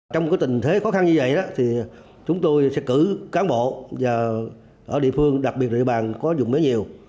trong cái tình thế khó khăn như vậy thì chúng tôi sẽ cử cán bộ ở địa phương đặc biệt địa bàn có dùng mía nhiều